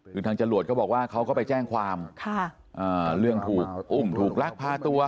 ซึ่งทางจรวดเขาบอกว่าเขาก็ไปแจ้งความค่ะเอ่อเรื่องถูกอัมป์ถูกลักษณ์พาตัว